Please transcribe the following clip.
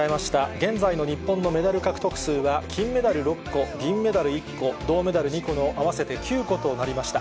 現在の日本のメダル獲得数は、金メダル６個、銀メダル１個、銅メダル２個の合わせて９個となりました。